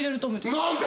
何で？